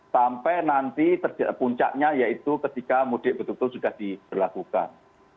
sampai nanti puncaknya yaitu ketika mudik betul betul sudah diberlakukan